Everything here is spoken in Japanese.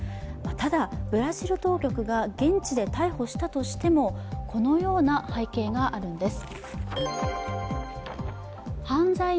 ただ、ブラジル当局が現地で逮捕したとしてもこのような背景があるんです。